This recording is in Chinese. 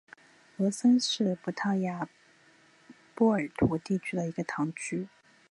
罗森是葡萄牙波尔图区的一个堂区。